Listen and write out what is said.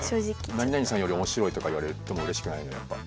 何々さんより面白いとか言われてもうれしくないのよやっぱ。